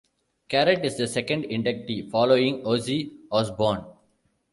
Carrott is the second inductee, following Ozzy Osbourne.